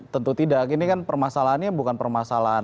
tentu tidak ini kan permasalahannya bukan permasalahan